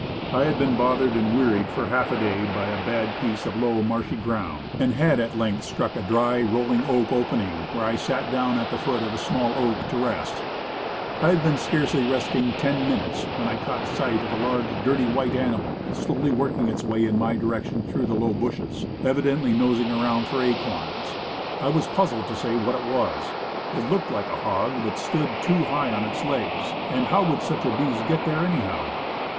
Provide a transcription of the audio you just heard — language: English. I had been bothered and wearied for half a day by a bad piece of low, marshy ground, and had at length struck a dry, rolling oak opening, where I sat down at the root of a small oak to rest. 1 2 2 Woodcraft. I had scarcely been resting ten minutes, when I caught sight of a large, dirty white animal, slowly working its way in my direction through the low bushes, evidently nosing around for acorns. I was puzzled to say what it was. It looked like a hog, but stood too high on its legs; and how would such a beast get there anyhow?